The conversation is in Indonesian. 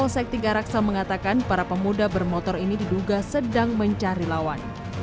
sedang mencari lawan